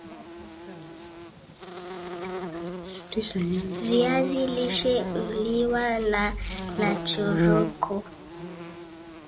viazi lishe huliwa na nachoroko